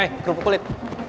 eh kerupuk kulit